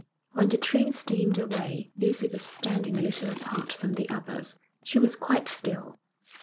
When the train steamed away, Lucy was standing a little apart from the others. She was quite still.